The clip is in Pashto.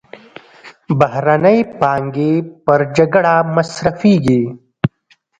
بهرنۍ پانګې پر جګړه مصرفېږي.